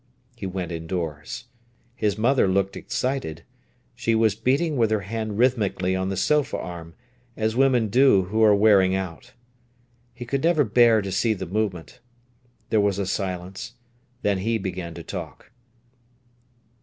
He went indoors. His mother looked excited. She was beating with her hand rhythmically on the sofa arm, as women do who are wearing out. He could never bear to see the movement. There was a silence; then he began to talk.